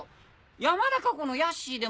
山中湖のヤッシーでも。